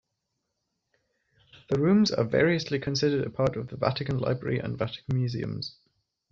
The rooms are variously considered a part of the Vatican Library and Vatican Museums.